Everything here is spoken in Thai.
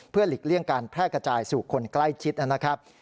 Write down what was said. หลีกเลี่ยงการแพร่กระจายสู่คนใกล้ชิดนะครับ